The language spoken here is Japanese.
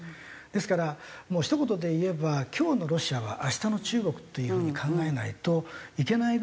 ですからひと言で言えば今日のロシアは明日の中国という風に考えないといけないぐらい。